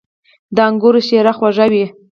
• د انګورو شیره خوږه وي.